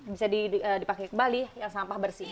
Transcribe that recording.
bisa dipakai kembali yang sampah bersih